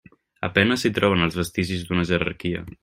A penes s'hi troben els vestigis d'una jerarquia.